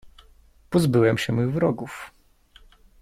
"Pozbyłem się mych wrogów."